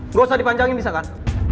nggak usah dipanjangin bisa kan